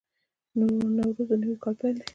نوروز د نوي کال پیل دی.